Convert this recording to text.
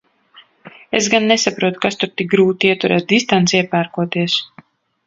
Es gan nesaprotu, kas tur tik grūti – ieturēt distanci iepērkoties.